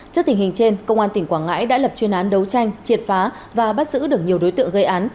trước tình hình trên công an tỉnh quảng ngãi đã lập chuyên án đấu tranh triệt phá và bắt giữ được nhiều đối tượng gây án